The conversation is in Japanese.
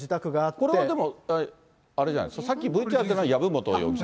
これはでも、あれじゃないですか、さっきＶＴＲというのは籔本容疑者。